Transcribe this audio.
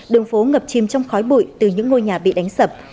đường phố ngập chìm trong khói bụi từ những ngôi nhà bị đánh sập